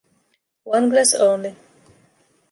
One glass only.